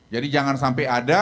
jadi jangan sampai ada